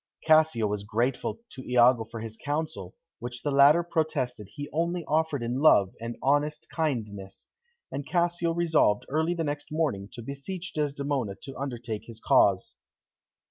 Cassio was grateful to Iago for his counsel, which the latter protested he only offered in love and honest kindness, and Cassio resolved early the next morning to beseech Desdemona to undertake his cause.